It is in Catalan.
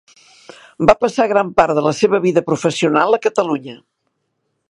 Va passar gran part de la seva vida professional a Catalunya.